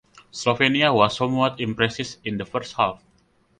Slovenia was somewhat imprecise in the first half.